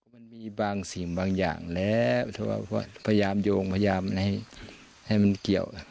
มันมีบางสิ่งบางอย่างแล้วเพราะว่าพยายามโยงพยายามให้มันเกี่ยว